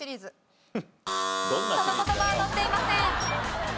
その言葉は載っていません。